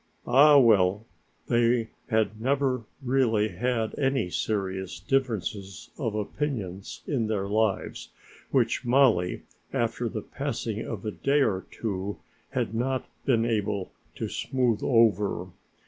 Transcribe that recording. Ah well, they had never really had any serious differences of opinion in their lives which Mollie, after the passing of a day or two, had not been able to smooth over.